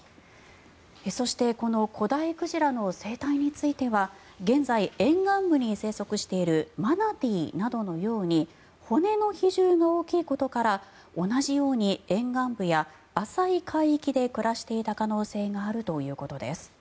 そしてこの古代鯨の生態については現在、沿岸部に生息しているマナティーなどのように骨の比重が大きいことから同じように沿岸部や浅い海域で暮らしていた可能性があるということです。